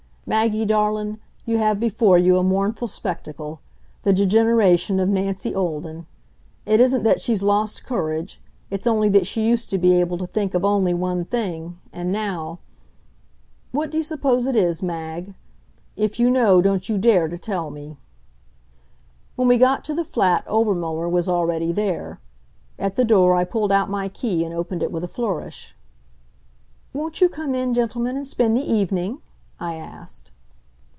Maggie darlin', you have before you a mournful spectacle the degeneration of Nancy Olden. It isn't that she's lost courage. It's only that she used to be able to think of only one thing, and now What do you suppose it is, Mag? If you know, don't you dare to tell me. When we got to the flat Obermuller was already there. At the door I pulled out my key and opened it with a flourish. "Won't you come in, gentlemen, and spend the evening?" I asked.